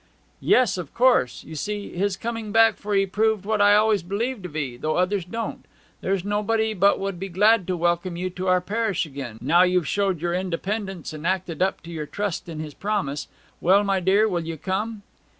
'Yes, of course. You see, his coming back for 'ee proved what I always believed of 'ee, though others didn't. There's nobody but would be glad to welcome you to our parish again, now you've showed your independence and acted up to your trust in his promise. Well, my dear, will you come?'